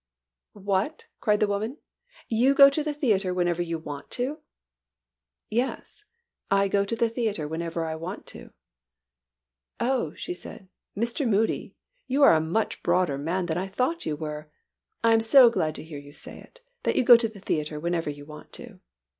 "What," cried the woman, "you go to the theatre whenever you want to?" "Yes, I go to the theatre whenever I want to." "Oh," she said, "Mr. Moody, you are a much broader man than I thought you were. I am so glad to hear you say it, that you go to the theatre whenever you want to."